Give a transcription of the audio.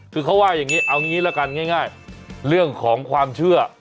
คือเขาว่าอย่างนี้เอางี้ละกันง่ายเรื่องของความเชื่อ